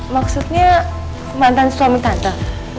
maksudnya mantan suami tante